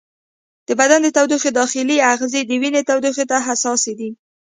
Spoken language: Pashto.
د بدن د تودوخې داخلي آخذې د وینې تودوخې ته حساسې دي.